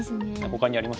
ほかにあります？